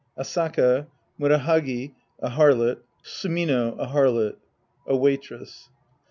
ASAKA. MuRAHAGi, a harlot. SuMiNO, a harlot. A Waitress.